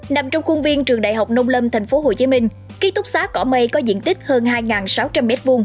nằm trong khuôn viên trường đại học nông lâm tp hcm ký túc xá cỏ mây có diện tích hơn hai sáu trăm linh m hai